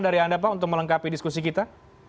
dari anda pak untuk melengkapi diskusi kita